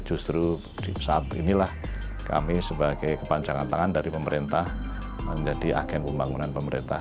justru saat inilah kami sebagai kepanjangan tangan dari pemerintah menjadi agen pembangunan pemerintah